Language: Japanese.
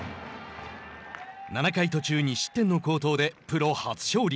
７回途中２失点の好投でプロ初勝利。